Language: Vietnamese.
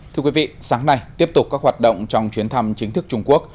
thưa quý vị sáng nay tiếp tục các hoạt động trong chuyến thăm chính thức trung quốc